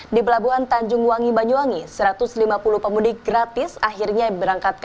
di pelabuhan tanjung wangi banyuwangi satu ratus lima puluh pemudik gratis akhirnya berangkat